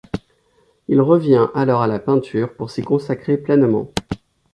Il revient alors à la peinture pour s'y consacrer pleinement.